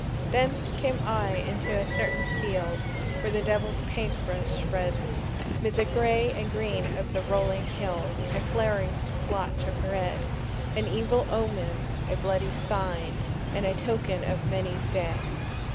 Then came I into a certain field Where the devil's paint brush spread 'Mid the gray and green of the rolling hills A flaring splotch of red, An evil omen, a bloody sign, And a token of many dead.